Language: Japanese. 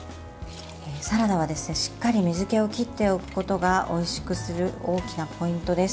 サラダは、しっかり水けを切っておくことがおいしくする大きなポイントです。